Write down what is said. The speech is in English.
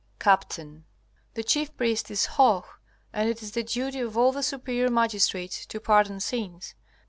Capt. The chief priest is Hoh, and it is the duty of all the superior magistrates to pardon sins.